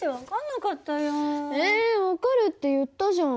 え分かるって言ったじゃん。